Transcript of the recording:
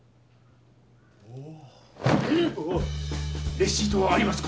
レシートはありますか？